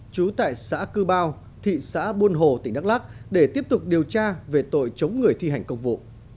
trú tại xã cư bao thị xã buôn hồ tỉnh đắk lắc để tiếp tục điều tra về tội chống người thi hành công vụ